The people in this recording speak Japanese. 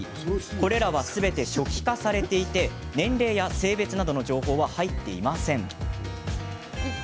これらはすべて初期化されていて年齢や性別などの情報は入っていません。